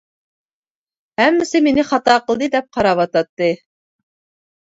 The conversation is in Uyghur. ھەممىسى مېنى خاتا قىلدى دەپ قاراۋاتاتتى.